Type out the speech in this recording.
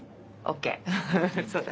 そうだ。